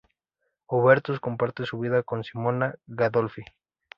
Hubertus comparte su vida con Simona Gandolfi.